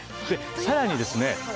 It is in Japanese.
さらにですね